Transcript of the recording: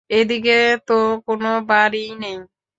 এদিকে তো কোনো বাড়িই নেই।